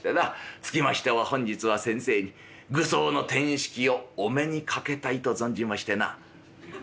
つきましては本日は先生に愚僧のてんしきをお目にかけたいと存じましてな」。